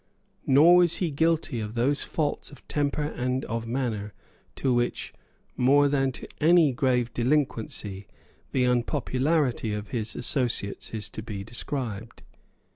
Nor was he guilty of those faults of temper and of manner to which, more than to any grave delinquency, the unpopularity of his associates is to be ascribed.